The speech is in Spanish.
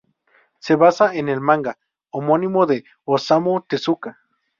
Se basa en el manga homónimo de Osamu Tezuka.